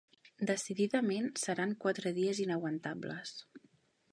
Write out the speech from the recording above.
Decididament seran quatre dies inaguantables.